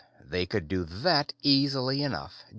"They could do that easily enough.